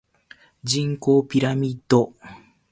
人口ピラミッド